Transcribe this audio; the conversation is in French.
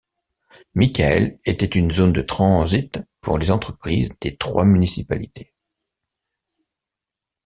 Michael était une zone de transit pour les entreprises des trois municipalités.